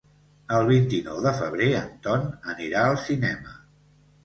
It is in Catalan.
El vint-i-nou de febrer en Ton anirà al cinema.